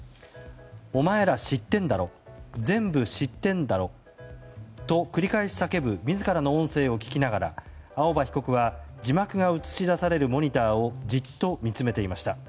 お前ら知ってんだろ全部知ってるんだろと繰り返し叫ぶ自らの音声を聞きながら青葉被告は字幕が映し出されるモニターをじっと見つめていました。